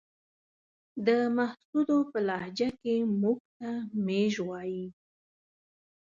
د محسودو په لهجه کې موږ ته ميژ وايې.